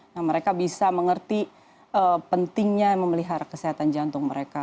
nah mereka bisa mengerti pentingnya memelihara kesehatan jantung mereka